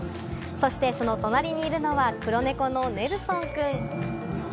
そして、その隣にいるのは黒猫のネルソンくん。